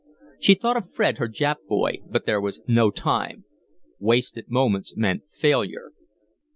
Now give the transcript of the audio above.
She thought of Fred, her Jap boy, but there was no time. Wasted moments meant failure.